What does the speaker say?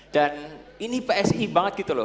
dan ini psi banget gitu loh